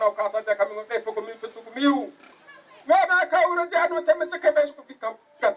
ibu ibu yang dianggap sebagai pernikahan yang menjengkelkan